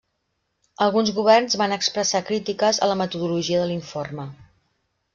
Alguns governs van expressar crítiques a la metodologia de l'informe.